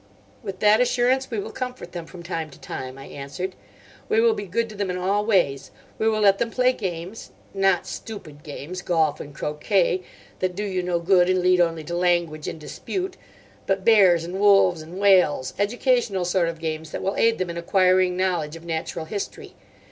"With that assurance we will comfort them from time to time," I answered. "We will be good to them in all ways. We will let them play games—not stupid games, golf and croquet, that do you no good and lead only to language and dispute—but bears and wolves and whales; educational sort of games that will aid them in acquiring knowledge of natural history.